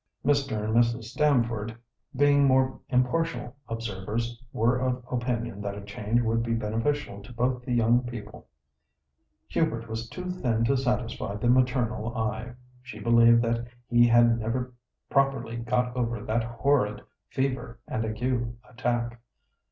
Mr. and Mrs. Stamford, being more impartial observers, were of opinion that a change would be beneficial to both the young people. Hubert was too thin to satisfy the maternal eye. She believed that he had never properly got over that horrid fever and ague attack.